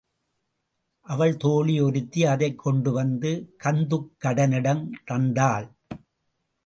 அவள் தோழி ஒருத்தி அதைக் கொண்டுவந்து கந்துக்கடனிடம் தந்தாள்.